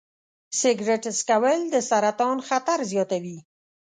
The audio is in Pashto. سګرټ څکول د سرطان خطر زیاتوي.